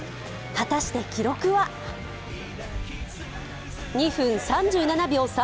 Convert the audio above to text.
果たして記録は２分３７秒３３。